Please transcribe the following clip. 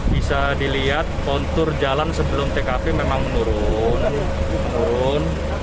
bisa dilihat kontur jalan sebelum tkp memang menurun